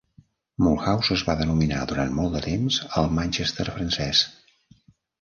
Mulhouse es va denominar durant molt de temps el Manchester francès.